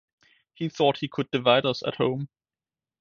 he thought he could divide us at home.